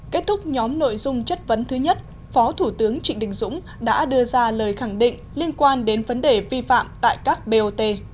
kết thúc nhóm nội dung chất vấn thứ nhất phó thủ tướng trịnh đình dũng đã đưa ra lời khẳng định liên quan đến vấn đề vi phạm tại các bot